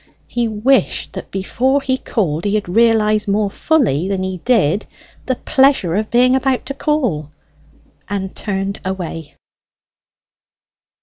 He wished that before he called he had realized more fully than he did the pleasure of being about to call; and turned away.